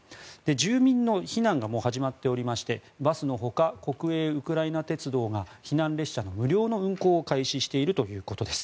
住民の避難がもう始まっておりましてバスのほか国営ウクライナ鉄道が避難列車の無料の運行を開始しているということです。